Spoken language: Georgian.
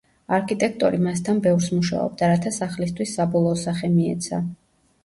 არქიტექტორი მასთან ბევრს მუშაობდა, რათა სახლისთვის საბოლოო სახე მიეცა.